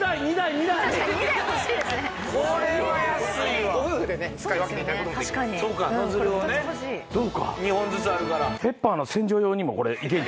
２本ずつあるから。